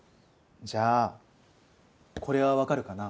じゃあこれはわかるかな？